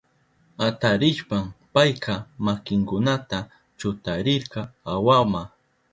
Atarishpan payka makinkunata chutarirka awama.